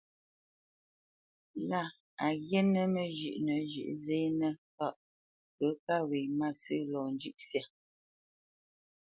Lâ a ghíínə̂ məzhʉ́ʼnə zhʉ̌ʼ zénə́ kâʼ pə́ kâ wě mbâsə̂ lɔ njʉ̂ʼ syâ.